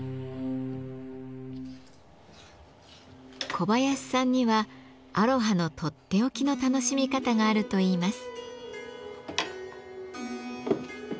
小林さんにはアロハのとっておきの楽しみ方があるといいます。